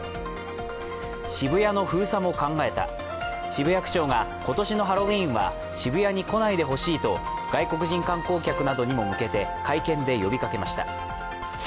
渋谷の封鎖も考えた、渋谷区長が今年のハロウィーンは渋谷に来ないでほしいと外国人観光客などにも向けて会見で呼びかけました。